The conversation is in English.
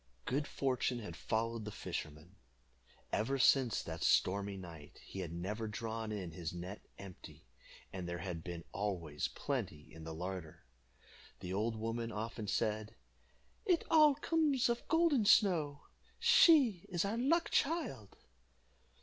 Good fortune had followed the fisherman. Ever since that stormy night he had never drawn in his net empty, and there had been always plenty in the larder. The old woman often said, "It all comes of Golden Snow she is our luck child."